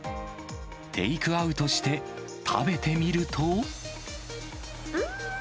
テイクアウトして食べてみるうーん！